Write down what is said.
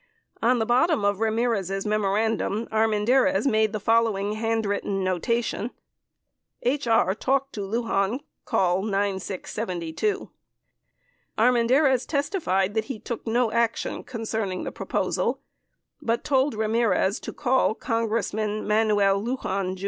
45 On the bottom of Ramirez' memorandum, Armendariz made the following handwritten notation: "HR talk to Lujan call 9 6 72." Armendariz testified that he took no action concerning the proposal but told Ramirez to call Congressman Manuel Lujan, Jr.